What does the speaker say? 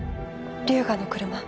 龍河の車。